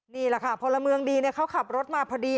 นี่แหละค่ะพลเมืองดีเขาขับรถมาพอดี